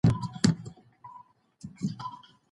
موږ ډېري مڼې را نه وړې.